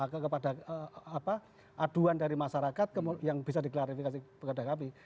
kepada aduan dari masyarakat yang bisa diklarifikasi kepada kami